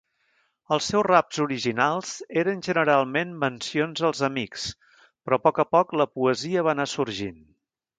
Els seus raps originals eren generalment mencions als amics, però a poc a poc la poesia va anar sorgint.